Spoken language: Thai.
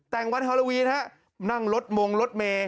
แต่งวันฮาโลวีนฮะนั่งรถมงรถเมย์